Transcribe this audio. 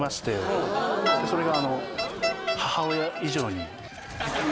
それが母親以上に。